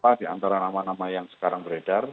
apa di antara nama nama yang sekarang beredar